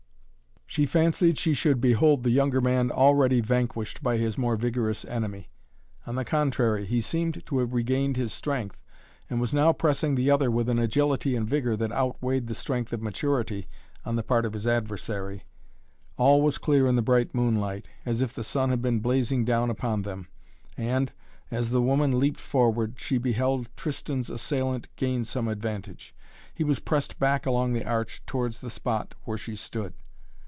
She fancied she should behold the younger man already vanquished by his more vigorous enemy. On the contrary, he seemed to have regained his strength and was now pressing the other with an agility and vigor that outweighed the strength of maturity on the part of his adversary. All was clear in the bright moonlight, as if the sun had been blazing down upon them, and, as the woman leaped forward, she beheld Tristan's assailant gain some advantage. He was pressed back along the Arch towards the spot where she stood.